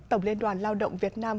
tổng liên đoàn lao động việt nam